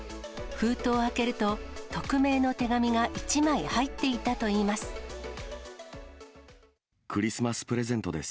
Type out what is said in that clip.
封筒を開けると、匿名の手紙が１枚入っていたといいます。